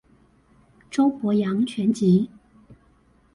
周伯陽全集